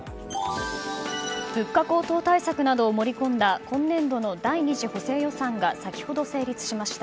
物価高騰対策などを盛り込んだ今年度の第２次補正予算が先ほど成立しました。